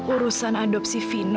urusan adopsi vino